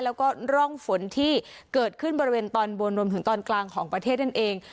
แล้วก็ร่องฝนที่เกิดขึ้นบริเวณตอนบนรวมถึงตอนกลางของประเทศนั่นเอง